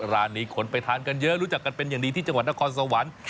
ร้านนี้คนไปทานกันเยอะรู้จักกันเป็นอย่างดีที่จังหวัดนครสวรรค์